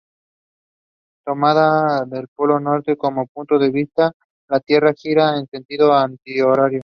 Tomando al polo norte como punto de vista, la Tierra gira en sentido antihorario.